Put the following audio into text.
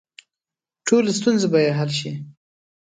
ټولې ستونزې به یې حل شي.